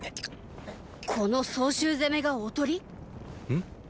この曹州攻めが“おとり”⁉ん。